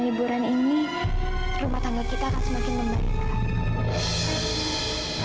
kerah datang rottena damai dah bisa keseluruhan ini upside jadi minta rumah biggest